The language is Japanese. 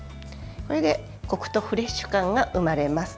これで、こくとフレッシュ感が生まれます。